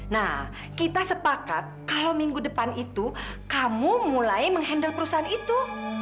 nah kita sepakat kalau minggu depan itu kamu mulai menghandle perusahaan itu